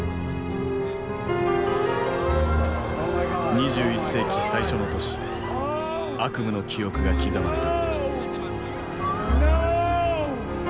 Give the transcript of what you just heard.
２１世紀最初の年悪夢の記憶が刻まれた。